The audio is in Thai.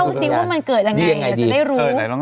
ก็จะได้รู้